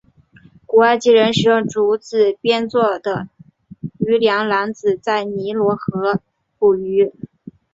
古埃及人使用竹子制作的渔梁篮子在尼罗河捕鱼。